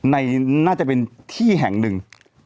น่าจะเป็นที่แห่งหนึ่ง